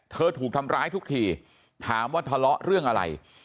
ถูกทำร้ายทุกทีถามว่าทะเลาะเรื่องอะไร